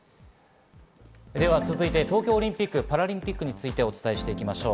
続いて東京オリンピック・パラリンピックについてお伝えしていきましょう。